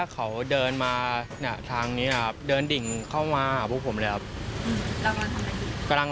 เขาเดินมาทางนี้ครับเดินดิ่งเข้ามาหาพวกผมเลยครับ